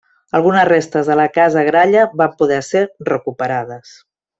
Algunes restes de la casa Gralla van poder ser recuperades.